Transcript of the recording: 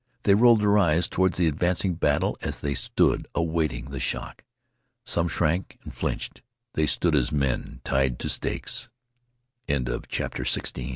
They rolled their eyes toward the advancing battle as they stood awaiting the shock. Some shrank and flinched. They stood as men tied to stakes. CHAPTER XVII. This advan